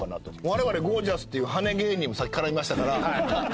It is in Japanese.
我々ゴー☆ジャスっていうはね芸人もさっき絡みましたから。